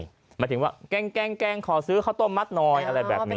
หมายถึงว่าแกล้งขอซื้อข้าวต้มมัดหน่อยอะไรแบบนี้